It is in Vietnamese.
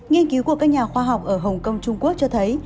nghiên cứu của các nhà khoa học ở hồng kông trung quốc cho thấy